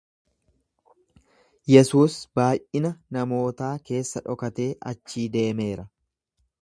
Yesuus baay’ina namootaa keessa dhokatee achii deemeera.